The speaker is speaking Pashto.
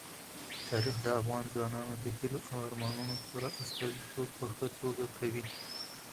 تاریخ د افغان ځوانانو د هیلو او ارمانونو پوره استازیتوب په ښه توګه کوي.